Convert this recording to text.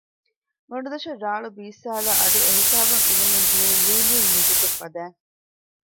ގޮނޑުދޮށަށް ރާޅު ބީއްސާލާ އަޑު އެ ހިސާބަށް އިވެމުން ދިއައީ ލުއި ލުއި މިޔުޒިކެއް ފަދައިން